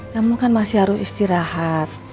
kamu kan masih harus istirahat